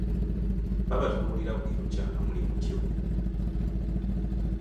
Babatunuulira buli lukya nga muli mutyo.